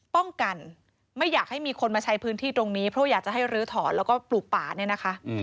ป้องกันไม่อยากให้มีคนมาใช้พื้นที่ตรงนี้เพราะอยากจะให้ลื้อถอนแล้วก็ปลูกป่าเนี่ยนะคะ